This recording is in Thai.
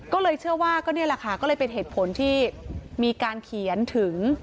ก็เลยเชื่อว่าก็นี่แหละค่ะก็เลยเป็นเหตุผลที่มีการเขียนถึง